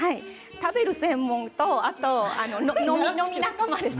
食べる専門とあとは飲み仲間です。